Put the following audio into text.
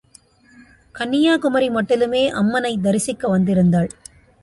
கன்யாகுமரி மட்டிலுமே அம்மனைத் தரிசிக்க வந்திருந்தாள்.